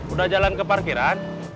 udah jalan ke parkiran